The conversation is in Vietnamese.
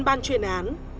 ban chuyên án